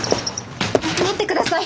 待ってください！